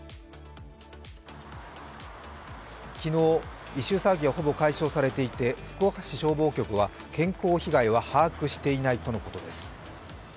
昨日、異臭騒ぎはほぼ解消されていて福岡市消防局は健康被害は把握していないとのことです。